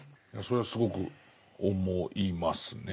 それはすごく思いますね。